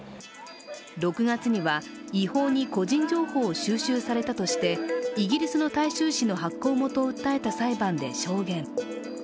６月には違法に個人情報を収集されたとしてイギリスの大衆紙の発行元を訴えた裁判で証言。